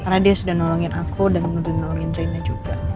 karena dia sudah nolongin aku dan menurutku nolongin rena juga